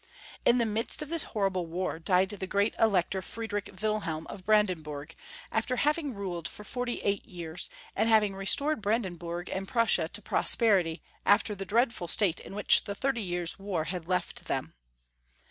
In the midst of this horrible war died the Great Elector Friedrich Wilhelm of Brandenburg, after having ruled for forty eight j^ears, and having . re stored Brandenburg and Prussia to prosperity after the dreadful state in which the Thirty Years' War had left them.